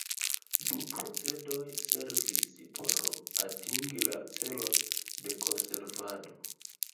Du procedoj servis por atingi la celon de konservado.